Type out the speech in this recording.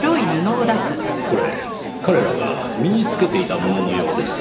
これ彼らが身につけていたもののようです。